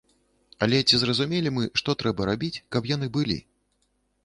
Але ці зразумелі мы, што трэба рабіць, каб яны былі?